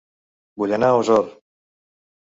Vull anar a Osor